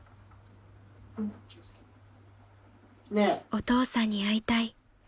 ［お父さんに会いたい］